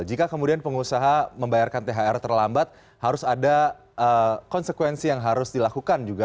jika kemudian pengusaha membayarkan thr terlambat harus ada konsekuensi yang harus dilakukan juga